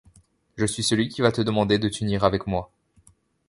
Je suis celui qui va te demander de t’unir avec moi.